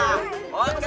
tunggu tunggu ya